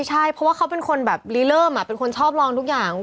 ใช่เพราะว่าเขาเป็นคนแบบรีเริ่มเป็นคนชอบลองทุกอย่าง